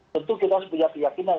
tentu kita harus punya keyakinan